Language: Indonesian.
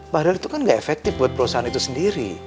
padahal itu kan gak efektif buat perusahaan itu sendiri